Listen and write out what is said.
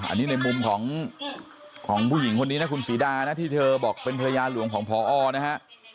อันนี้ในมุมของผู้หญิงคนนี้นะคุณศรีดานะที่เธอบอกเป็นภรรยาหลวงของพอนะฮะ